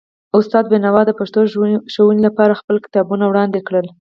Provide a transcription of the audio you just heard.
استاد بینوا د پښتو ښوونې لپاره خپل کتابونه وړاندې کړل.